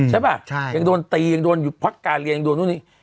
ใช่ป่ะยังโดนตียังโดนหยุดพักการเรียนโดนนู่นนี่